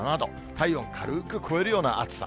体温軽く超えるような暑さ。